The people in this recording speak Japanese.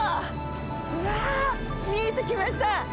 うわ見えてきました！